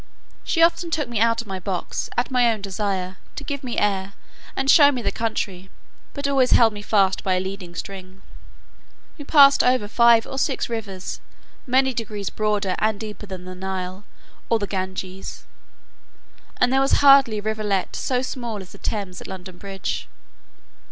She often took me out of my box, at my own desire, to give me air, and show me the country, but always held me fast by a leading string. We passed over five or six rivers, many degrees broader and deeper than the Nile or the Ganges: and there was hardly a rivulet so small as the Thames at London Bridge.